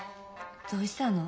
どうしたの？